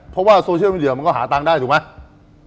เพราะว่าโซเชียลวิดีโอมันก็หาเงินนั้นได้ใช่ไหม